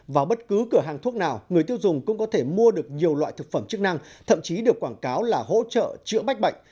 vào bất cứ cửa hàng thuốc nào người tiêu dùng cũng có thể mua được nhiều loại thực phẩm chức năng thậm chí được quảng cáo là hỗ trợ chữa bách bệnh